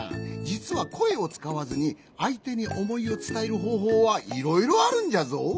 じつはこえをつかわずにあいてにおもいをつたえるほうほうはいろいろあるんじゃぞ。